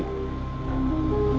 bukan orang yang serakah